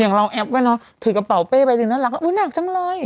อย่างเราแอบไว้เนอะถือกระเป๋าเป้ไปถึงน่ารักแล้วอุ๊ยหนักจังเลย